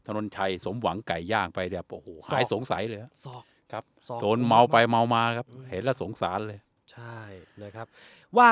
ถนนชัยสมหวังไก่ย่างไปแหละ